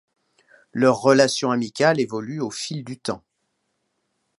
Leur relation amicale évolue au fil du temps.